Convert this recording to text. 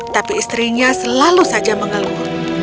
tapi istrinya selalu saja mengeluh